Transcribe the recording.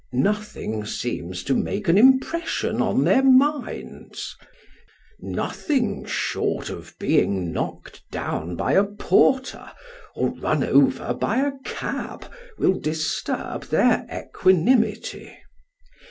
Nothing seems to make an impression on their minds : nothing short of being knocked down by a porter, or run over by a cab, will disturb their equanimity.